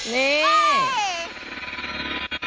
เนี่ย